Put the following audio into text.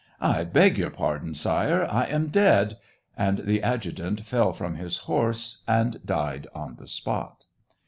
"I beg your pardon. Sire, I am dead," — and the adjutant fell from his horse, and died on the spot.